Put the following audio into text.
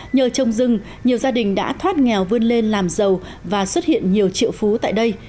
nhờ trồng rừng nhiều gia đình đã thoát nghèo vươn lên làm giàu và xuất hiện nhiều triệu phú tại đây